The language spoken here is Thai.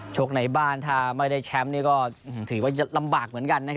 ในบ้านถ้าไม่ได้แชมป์ก็ถือว่าลำบากเหมือนกัน